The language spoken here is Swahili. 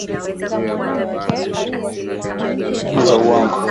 katika kuwatia hofu watu na kuwasilisha takwimu za uongo